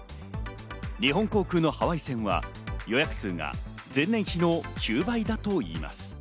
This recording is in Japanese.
日本航空のハワイ線は予約数が前年比の９倍だといいます。